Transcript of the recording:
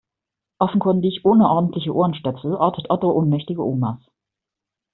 Offenkundig ohne ordentliche Ohrenstöpsel ortet Otto ohnmächtige Omas.